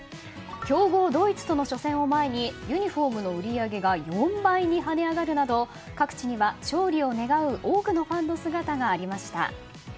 強豪ドイツとの初戦を前にユニホームの売り上げが４倍に跳ね上がるなど各地には勝利を願うＦＩＦＡ